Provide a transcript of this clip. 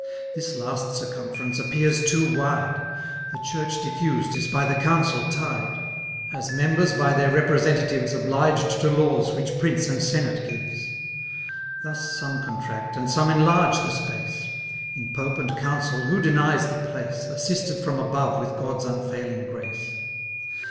This last circumference appears too wide; The Church diffused is by the Council tied; 90 As members by their representatives Obliged to laws which Prince and Senate gives. Thus some contract, and some enlarge the space: In Pope and Council, who denies the place, Assisted from above with God's unfailing grace?